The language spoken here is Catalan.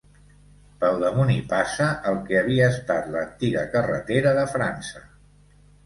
Pel damunt hi passa el que havia estat l'antiga carretera de França.